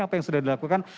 apa yang sudah dilakukan